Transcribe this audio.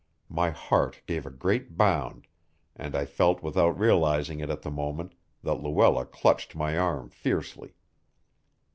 My heart gave a great bound, and I felt without realizing it at the moment, that Luella clutched my arm fiercely.